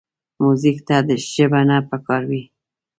موزیک ته ژبه نه پکار وي.